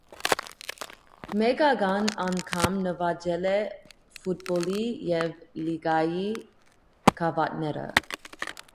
Մեկական անգամ նվաճել է ֆուտբոլի և լիգայի գավաթները։